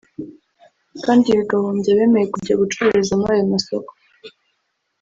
kandi bigahombya abemeye kujya gucururiza muri ayo masoko